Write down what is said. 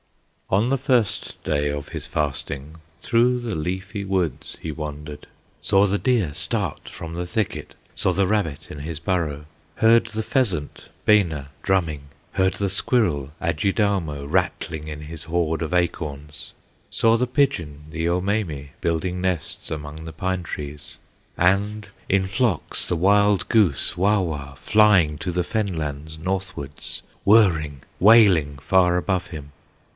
On the first day of his fasting Through the leafy woods he wandered; Saw the deer start from the thicket, Saw the rabbit in his burrow, Heard the pheasant, Bena, drumming, Heard the squirrel, Adjidaumo, Rattling in his hoard of acorns, Saw the pigeon, the Omeme, Building nests among the pinetrees, And in flocks the wild goose, Wawa, Flying to the fen lands northward, Whirring, wailing far above him.